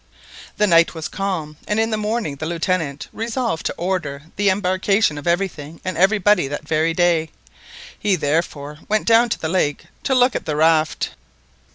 The night was calm, and in the morning the Lieutenant resolved to order the embarkation of everything and everybody that very day. He, therefore, went down to the lake to look at the raft.